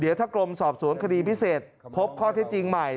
เดี๋ยวถ้ากรมสอบสวนคดีพิเศษพบข้อเท็จจริงใหม่